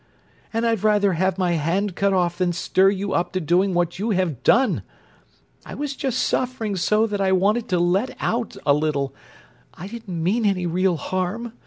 And I'd rather have cut my hand off than stir you up to doing what you have done! I was just suffering so that I wanted to let out a little—I didn't mean any real harm.